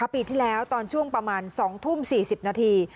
ปีที่แล้วตอนช่วงประมาณ๒ทุ่ม๔๐นาที